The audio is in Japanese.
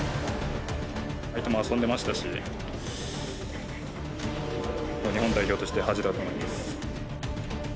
相手も遊んでましたし日本代表として恥だと思います。